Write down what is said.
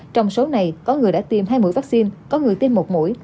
trong số này có người đã tiêm hai mũi vaccine có người tiêm một mũi